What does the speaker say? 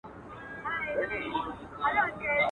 یو ایږدن مي خیرات نه کړ چي مي خلاص کړي له اورونو.